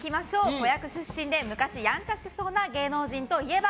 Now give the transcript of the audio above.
子役出身で昔ヤンチャしてそうな芸能人といえば？